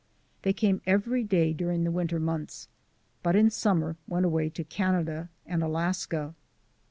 They came every day during the winter months, but in summer went away to Canada and Alaska.